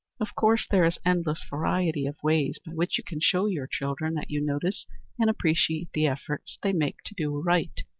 _ Of course there is an endless variety of ways by which you can show your children that you notice and appreciate the efforts they make to do right.